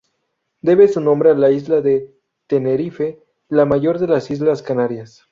Debe su nombre a la isla de Tenerife, la mayor de las islas Canarias.